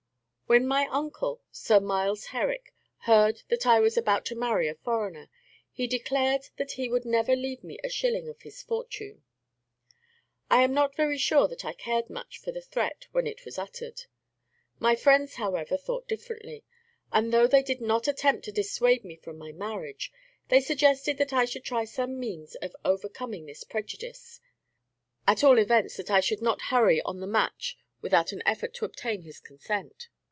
When my uncle, Sir Miles Herrick, heard that I was about to marry a foreigner, he declared that he would never leave me a shilling of his fortune. I am not very sure that I cared much for the threat when it was uttered. My friends, however, thought differently; and though they did not attempt to dissuade me from my marriage, they suggested that I should try some means of overcoming this prejudice; at all events, that I should not hurry on the match without an effort to obtain his consent.